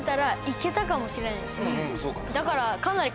だから。